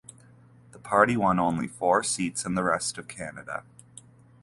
The party won only four seats in the rest of Canada.